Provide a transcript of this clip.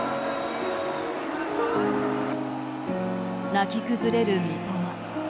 泣き崩れる三笘。